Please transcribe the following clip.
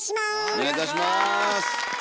お願いいたします。